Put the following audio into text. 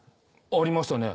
ありましたね。